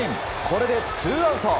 これでツーアウト。